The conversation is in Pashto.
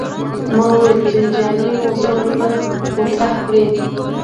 ما ویل جنجالي موضوع به مطرح کړې.